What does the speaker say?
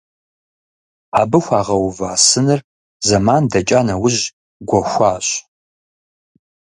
Абы хуагъэува сыныр зэман дэкӀа нэужь гуэхуащ.